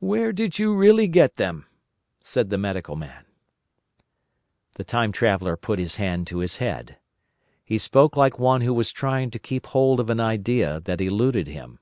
"Where did you really get them?" said the Medical Man. The Time Traveller put his hand to his head. He spoke like one who was trying to keep hold of an idea that eluded him.